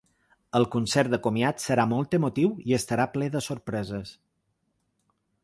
El concert de comiat serà molt emotiu i estarà ple de sorpreses.